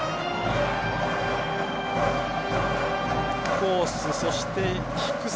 コース、そして低さ。